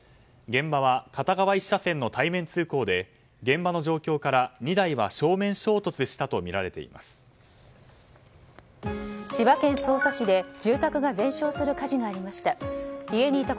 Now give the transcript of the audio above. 現場は片側１車線の対面通行で現場の状況から２台は正面衝突したと千葉県匝瑳市で住宅が全焼する火事がありました。